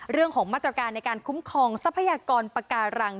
เรื่องของมาตรการในการคุ้มครองทรัพยากรปาการัง